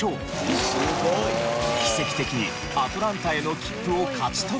奇跡的にアトランタへの切符を勝ち取ったのです。